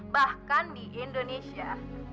bahkan di indonesia